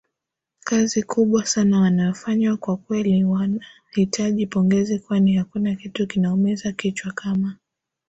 kazi kubwa sana wanayofanya Kwakweli wana hitaji pongezi kwani hakuna kitu kinaumiza kichwa kama